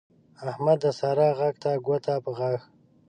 احمد د سارا غږ ته ګوته په غاښ